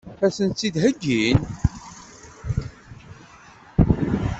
Ad sent-tt-id-heggin?